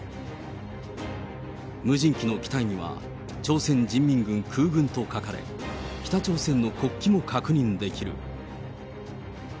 無人機の機体には、朝鮮人民軍空軍と書かれ、北朝鮮の国旗も確認できる。